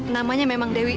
namanya memang dewi